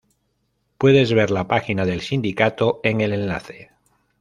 Puedes ver la página del Sindicato en el enlace.